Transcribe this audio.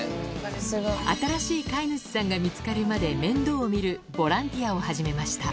新しい飼い主さんが見つかるまで面倒を見るボランティアを始めました